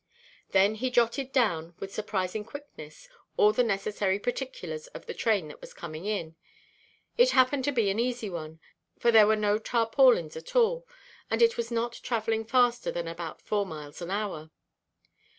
Then he jotted down, with surprising quickness, all the necessary particulars of the train that was coming in. It happened to be an easy one; for there were no tarpaulins at all, and it was not travelling faster than about four miles an hour.